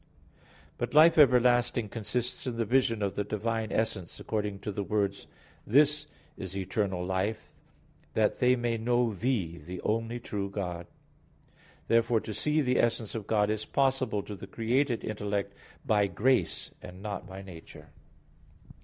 But life everlasting consists in the vision of the Divine essence, according to the words: "This is eternal life, that they may know Thee the only true God," etc. (John 17:3). Therefore to see the essence of God is possible to the created intellect by grace, and not by nature.